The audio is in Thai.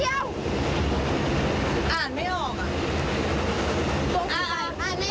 บอกว่ามีสองเดี๋ยว